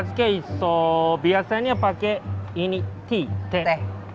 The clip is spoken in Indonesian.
chazuke itu biasanya pakai ini teh